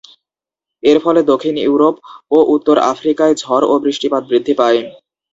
এর ফলে দক্ষিণ ইউরোপ ও উত্তর আফ্রিকায় ঝড় ও বৃষ্টিপাত বৃদ্ধি পায়।